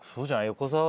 横澤